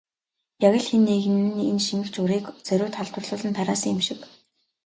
Яг л хэн нэг нь энэ шимэгч урыг зориуд халдварлуулан тараасан юм шиг.